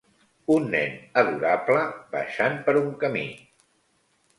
Un nen adorable baixant per un camí.